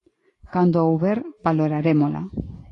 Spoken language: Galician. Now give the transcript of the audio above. Cando a houber, valorarémola.